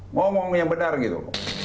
ngomong yang benar gitu